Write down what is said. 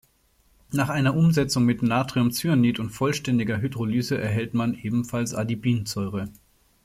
Nach einer Umsetzung mit Natriumcyanid und vollständiger Hydrolyse erhält man ebenfalls Adipinsäure.